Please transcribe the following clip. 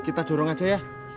kita dorong aja ya